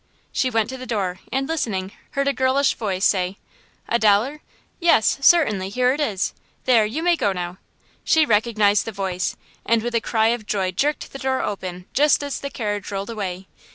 She went to the door, and listening, heard a girlish voice say: "A dollar? Yes, certainly; here it is. There, you may go now." She recognized the voice, and with a cry of joy jerked the door open just as the carriage rolled away.